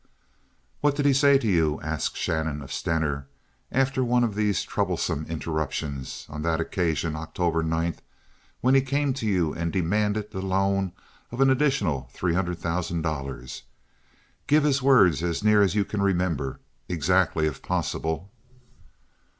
"What did he say to you," asked Shannon of Stener, after one of these troublesome interruptions, "on that occasion, October 9th last, when he came to you and demanded the loan of an additional three hundred thousand dollars? Give his words as near as you can remember—exactly, if possible."